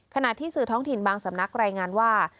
ขณะที่สื่อท้องถิ่นบางสำนักรายงานว่า